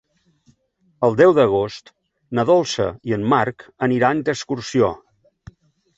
El deu d'agost na Dolça i en Marc aniran d'excursió.